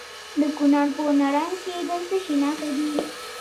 د کونړ په نرنګ کې د څه شي نښې دي؟